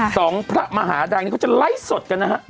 สองพระมหาดังนี้เขาจะไลฟ์สดกันนะฮะ